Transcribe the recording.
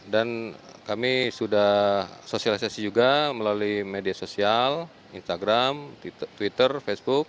dan kami sudah sosialisasi juga melalui media sosial instagram twitter facebook